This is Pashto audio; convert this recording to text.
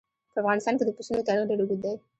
په افغانستان کې د پسونو تاریخ ډېر اوږد دی.